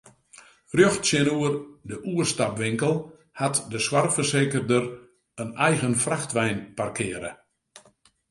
Rjocht tsjinoer de oerstapwinkel hat de soarchfersekerder in eigen frachtwein parkearre.